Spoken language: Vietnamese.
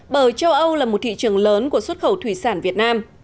bởi châu âu là một thị trường lớn của xuất khẩu thủy sản việt nam